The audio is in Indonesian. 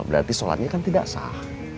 berarti sholatnya kan tidak sah